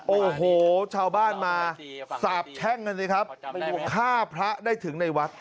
โอ้โหชาวบ้านมาสาบแช่งกันสิครับฆ่าพระได้ถึงในวัด